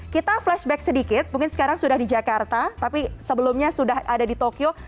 kita flashback sedikit mungkin sekarang sudah di jakarta tapi sebelumnya sudah ada di tokyo